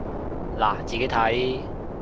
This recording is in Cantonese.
嗱，自己睇